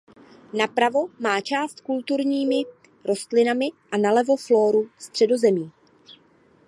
Napravo má část s kulturními rostlinami a nalevo flórou Středozemí.